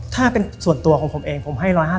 ถ้าเป็นส่วนตัวของผมเองผมให้๑๕๐